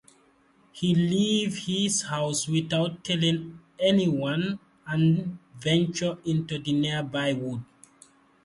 He leaves his house without telling anyone and ventures into the nearby woods.